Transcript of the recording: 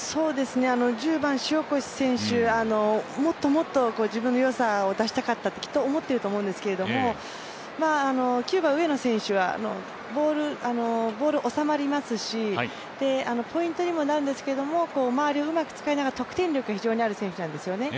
１０番・塩越選手、もっともっと自分のよさを出したかったときっと思っていると思うんですけれども、９番・上野選手はボール、おさまりますし、ポイントにもなるんですけれども、周りをうまく使いながら得点力が非常にある選手なんですよね。